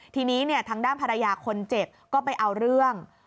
ทีนี้ทางด้านภรรยาคนเจ็บก็ไปเอาเรื่อง